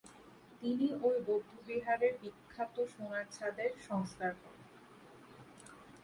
তিনি ঐ বৌদ্ধবিহারের বিখ্যাত সোনার ছাদের সংস্কার করেন।